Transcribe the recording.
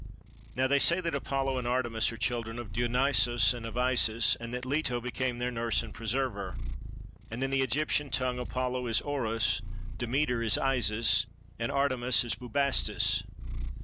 Now they say that Apollo and Artemis are children of Dionysos and of Isis, and that Leto became their nurse and preserver; and in the Egyptian tongue Apollo is Oros, Demeter is Isis, and Artemis is Bubastis.